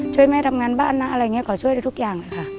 ช่วยแม่ทำงานบ้านนะขอช่วยทุกอย่าง